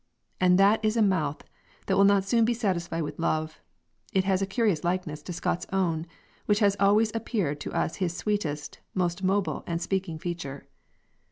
And that is a mouth that will not be soon satisfied with love; it has a curious likeness to Scott's own, which has always appeared to us his sweetest, most mobile and speaking feature.